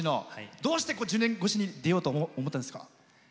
どうして１２年越しに出ようと思ったんですか？